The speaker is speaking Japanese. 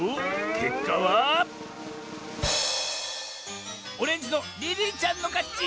けっかはオレンジのリリーちゃんのかち！